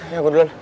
ya gue duluan